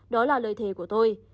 đó là lời thề của tôi